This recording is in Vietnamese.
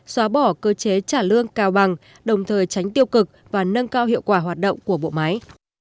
xóa bỏ cơ chế trả lương cao bằng đồng thời tránh tiêu cực và nâng cao hiệu quả hoạt động của bộ máy